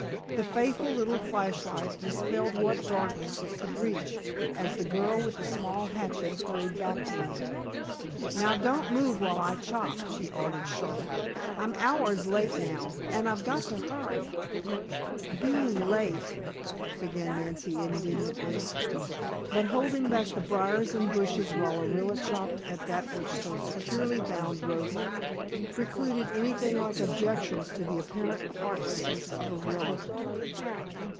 The faithful little flash light dispelled what darkness it could reach, as the girl with the small hatchet hurried back to them. "Now don't move while I chop," she ordered sharply. "I'm hours late now, and I've got to hurry." "Being late " began Nancy indignantly. But holding back the briars and bushes while Orilla chopped at that which so securely bound Rosa, precluded anything like objections to the apparent heartlessness of Orilla.